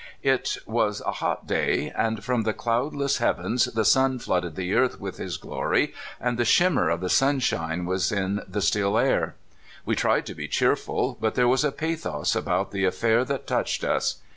It was a hot day, and from the cloudless heavens the sun flooded the earth with his glory, and the shim mer of the sunshine was in the still air. We tried to be cheerful, but there was a pathos about the affair that touched us.